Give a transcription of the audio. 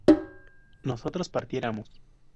nosotros partiéramos